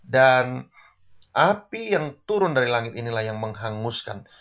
dan api yang turun dari langit inilah yang menghanguskan